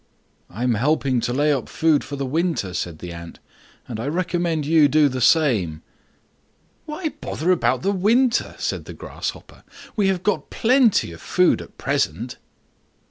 "I am helping to lay up food for the winter," said the Ant, "and recommend you to do the same." "Why bother about winter?" said the Grasshopper; "we have got plenty of food at present."